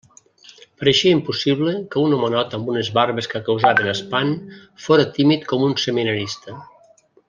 Pareixia impossible que un homenot amb unes barbes que causaven espant, fóra tímid com un seminarista.